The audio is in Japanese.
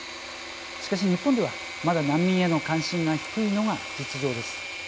しかし日本ではまだ難民への関心が低いのが実情です。